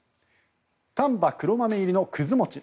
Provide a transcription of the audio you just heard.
丹波黒豆入りのくずもち。